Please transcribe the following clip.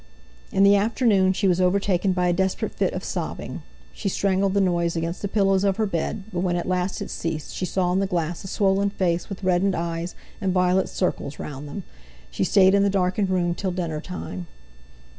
In the afternoon she was overtaken by a desperate fit of sobbing. She strangled the noise against the pillows of her bed, but when at last it ceased she saw in the glass a swollen face with reddened eyes, and violet circles round them. She stayed in the darkened room till dinner time.